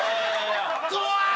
怖い！？